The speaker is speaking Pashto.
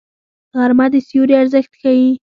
غرمه د سیوري ارزښت ښيي